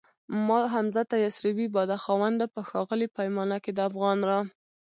ما حمزه ته يسربی باده خاونده په ښاغلي پیمانه کي دافغان را